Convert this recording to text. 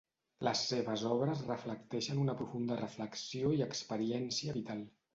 Les seves obres reflecteixen una profunda reflexió i experiència vital.